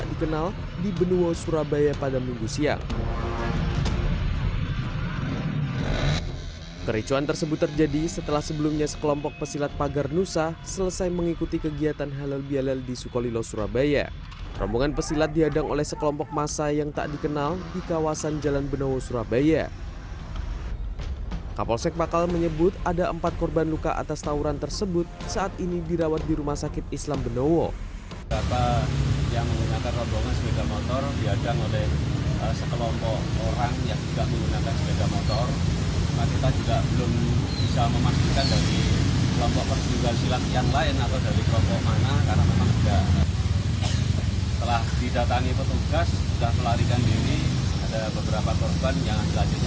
dengan sejumlah orang yang tak dikenal di benua surabaya pada minggu siang